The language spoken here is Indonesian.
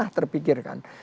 dan saya terpikirkan